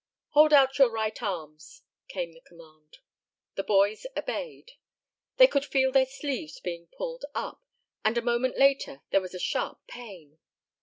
"Hold out your right arms," came the command. The boys obeyed. They could feel their sleeves being pulled up, and a moment later there was a sharp pain.